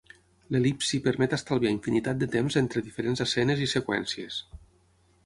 L'el·lipsi permet estalviar infinitat de temps entre diferents escenes i seqüències.